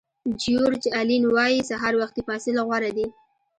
جیورج الین وایي سهار وختي پاڅېدل غوره دي.